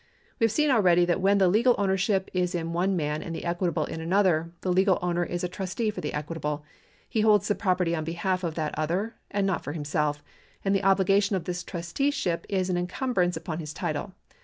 We have seen already that when the legal ownership is in one man and the equitable in another, the legal owner is a trustee for the equitable. He holds the property on behalf of that other, and not for himself ; and the obligation of this trusteeship is an encumbrance upon his title.